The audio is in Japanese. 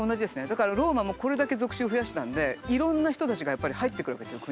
だからローマもこれだけ属州を増やしたんでいろんな人たちがやっぱり入ってくるわけですよ